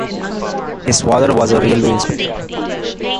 His father was a railway inspector.